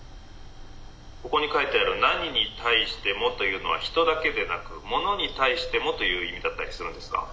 「ここに書いてある何に対してもというのは人だけでなく物に対してもという意味だったりするんですか？」。